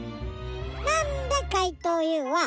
なんでかいとうＵはよ